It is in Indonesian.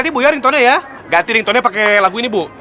diganti ya ringtone ya ganti ringtone pake lagu ini bu